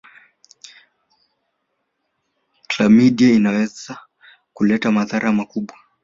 klamidia inaweza kuleta madhara makubwa